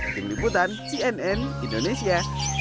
tim liputan cnn indonesia